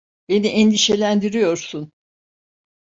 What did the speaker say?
Beni endişelendiriyorsun.